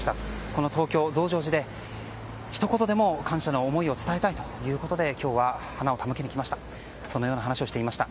この東京、増上寺でひと言でも、感謝の思いを伝えたいということで今日は花を手向けに来ましたとそのように話をしていました。